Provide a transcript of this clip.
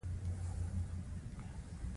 سیاسي اسلام دنیوي پرمختګ له خنډ سره مخ کوي.